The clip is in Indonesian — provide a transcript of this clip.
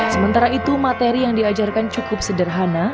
sementara itu materi yang diajarkan cukup sederhana